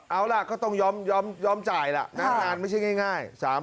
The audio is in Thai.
เอาล่ะก็ต้องยอมจ่ายล่ะงานไม่ใช่ง่าย